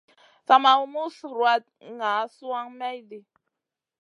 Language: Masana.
Sa ma mus ruwatn ŋa suan mayɗi.